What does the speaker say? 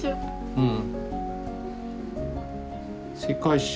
うん。